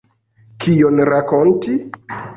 Kion rakonti?